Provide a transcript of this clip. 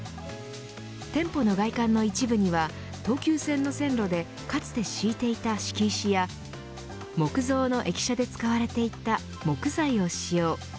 店舗の外観の一部には東急線の線路でかつて敷いていた敷石や木造の駅舎で使われていた木材を使用。